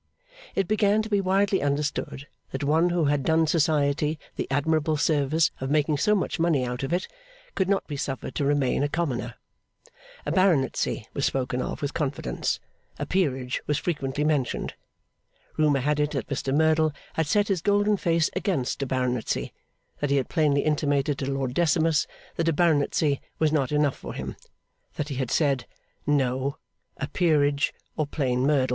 It began to be widely understood that one who had done society the admirable service of making so much money out of it, could not be suffered to remain a commoner. A baronetcy was spoken of with confidence; a peerage was frequently mentioned. Rumour had it that Mr Merdle had set his golden face against a baronetcy; that he had plainly intimated to Lord Decimus that a baronetcy was not enough for him; that he had said, 'No a Peerage, or plain Merdle.